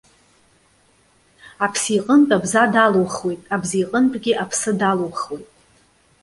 Аԥсы иҟынтә абза далухуеит, абза иҟынтәгьы аԥсы далухуеит.